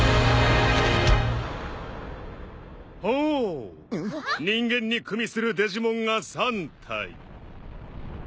・人間にくみするデジモンが３体。